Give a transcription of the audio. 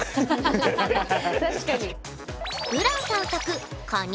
確かに。